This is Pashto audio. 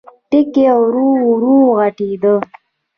ټکی ورو، ورو غټېده.